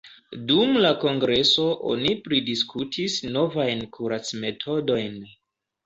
Dum la kongreso oni pridiskutis novajn kuracmetodojn.